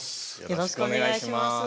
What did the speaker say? よろしくお願いします。